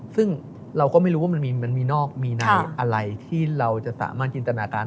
ซึ่งเราก็ไม่รู้ว่ามันมีนอกมีในอะไรที่เราจะสามารถจินตนาการ